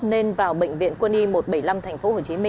nên vào bệnh viện quân y một trăm bảy mươi năm tp hcm